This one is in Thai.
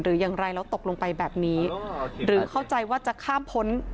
หรืออย่างไรแล้วตกลงไปแบบนี้หรือเข้าใจว่าจะข้ามพ้น